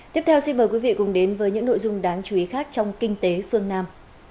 tiếp theo xin mời quý vị cùng đến với những nội dung đáng chú ý khác trong kinh tế phương nam